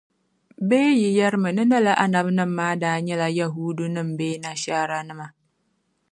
Bee yi yεrimi ni lala Annabinim' maa daa nyɛla Yahuudunim’ bee Nashaaranima?